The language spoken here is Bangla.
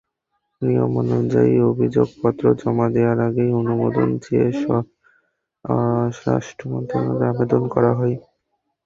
নিয়মানুযায়ী অভিযোগপত্র জমা দেওয়ার আগেই অনুমোদন চেয়ে স্বরাষ্ট্র মন্ত্রণালয়ে আবেদন করা হয়।